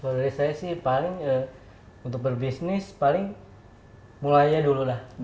kalau dari saya sih paling untuk berbisnis paling mulainya dulu lah